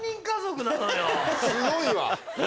すごいわ。